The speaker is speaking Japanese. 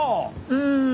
うん。